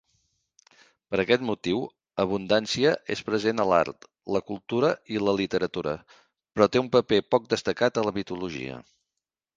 Per aquest motiu, Abundància és present a l'art, la cultura i la literatura, però té un paper poc destacat a la mitologia.